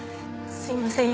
すいません。